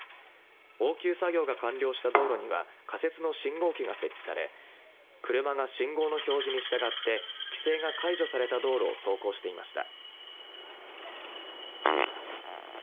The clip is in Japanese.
応急作業が完了した道路には仮設の信号機が設置され車が信号の表示に従って規制が解除された道路を走行していました。